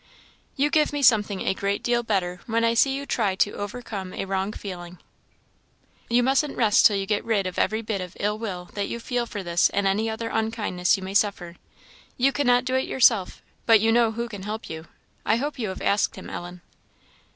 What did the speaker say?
"You give me something a great deal better when I see you try to overcome a wrong feeling. You mustn't rest till you get rid of every bit of ill will that you feel for this and any other unkindness you may suffer. You cannot do it yourself, but you know who can help you. I hope you have asked Him, Ellen?"